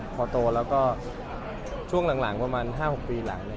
พอโตแล้วก็ช่วงหลังประมาณ๕๖ปีหลัง